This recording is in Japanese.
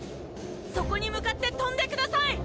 そこに向かってとんでください！